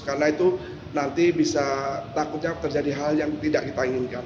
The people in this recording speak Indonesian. karena itu nanti bisa takutnya terjadi hal yang tidak kita inginkan